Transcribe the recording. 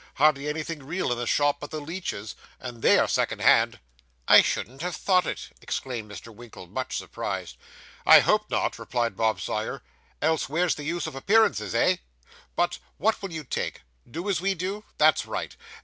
'Hardly anything real in the shop but the leeches, and _they _are second hand.' 'I shouldn't have thought it!' exclaimed Mr. Winkle, much surprised. 'I hope not,' replied Bob Sawyer, 'else where's the use of appearances, eh? But what will you take? Do as we do? That's right.